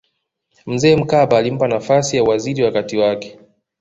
mzee mkapa alimpa nafasi ya uwaziri wakati wake